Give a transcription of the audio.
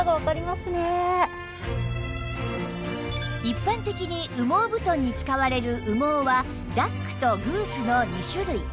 一般的に羽毛布団に使われる羽毛はダックとグースの２種類